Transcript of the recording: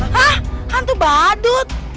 hah hantu badut